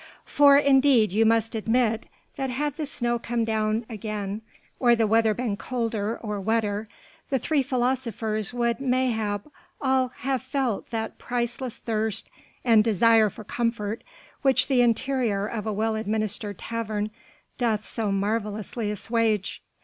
For indeed you must admit that had the snow come down again or the weather been colder, or wetter, the three philosophers would mayhap all have felt that priceless thirst and desire for comfort which the interior of a well administered tavern doth so marvellously assuage.